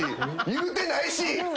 言うてないし！